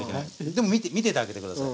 でも見ててあげて下さい。